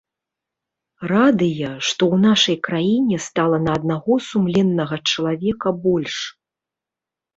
Радыя, што ў нашай краіне стала на аднаго сумленнага чалавека больш.